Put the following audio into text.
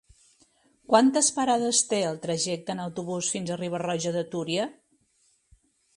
Quantes parades té el trajecte en autobús fins a Riba-roja de Túria?